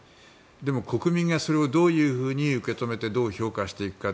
でも国民がそれをどういうふうに受け止めてどう評価していくか